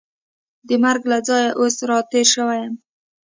د مرګ له ځایه اوس را تېره شوې یم.